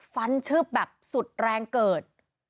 ฟันชืบแบบสุดแรงเกิด